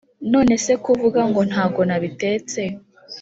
nonese ko uvuga ngo ntago nabitetse,